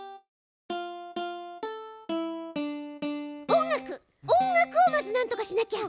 音楽音楽をまずなんとかしなきゃ。